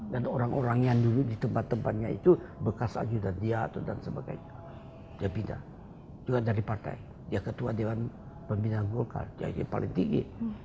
dan orang orang yang dulu di tempat tempatnya itu bekas ajudan dia dan sebagainya dia pindah juga dari partai dia ketua dewan pembinaan gokal jayanya paling tinggi